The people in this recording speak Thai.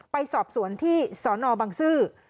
ไปสอบสวนที่สนบังซื้อ